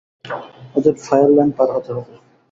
ওদের fire line পার হতে হবে!